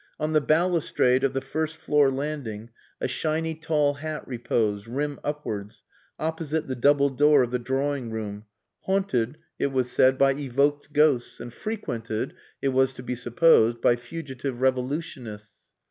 On the balustrade of the first floor landing a shiny tall hat reposed, rim upwards, opposite the double door of the drawing room, haunted, it was said, by evoked ghosts, and frequented, it was to be supposed, by fugitive revolutionists.